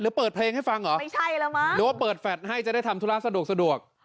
หรือเปิดเพลงให้ฟังเหรอหรือว่าเปิดแฟทให้จะได้ทำธุระสะดวก